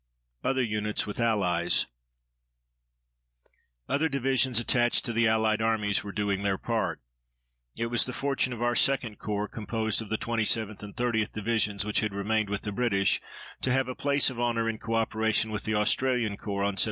OTHER UNITS WITH ALLIES Other divisions attached to the allied armies were doing their part. It was the fortune of our 2d Corps, composed of the 27th and 30th Divisions, which had remained with the British, to have a place of honor in co operation with the Australian Corps on Sept.